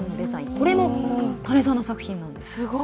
これも田根さんの作品なんです。